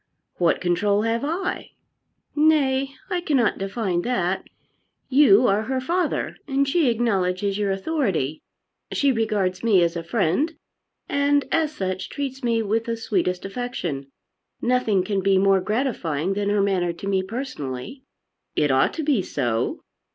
"What control have I?" "Nay; I cannot define that. You are her father, and she acknowledges your authority. She regards me as a friend and as such treats me with the sweetest affection. Nothing can be more gratifying than her manner to me personally." "It ought to be so."